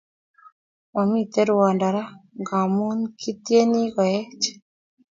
Mamiten rwando raa ngamun kityeni koeech